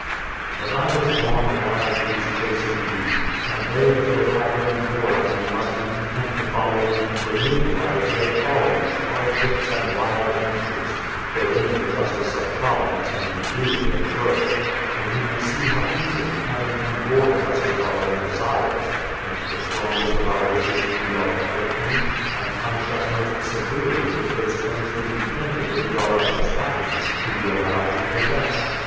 But I was gone a wildgoose chase indeed, and they that will have any more of me must be content to follow me into a new variety of follies, hardships, and wild adventures, wherein the justice of Providence may be duly observed; and we may see how easily Heaven can gorge us with our own desires, make the strongest of our wishes be our affliction, and punish us most severely with those very things which we think it would be our utmost happiness to be allowed to possess.